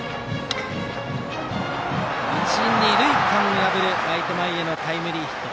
一、二塁間を破るライト前へのタイムリーヒット。